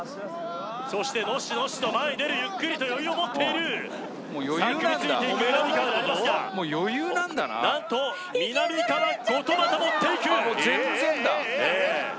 そしてのっしのっしと前に出るゆっくりと余裕を持っている組み付いていくみなみかわでありますがなんとみなみかわごとまた持っていくもう全然だえええ！？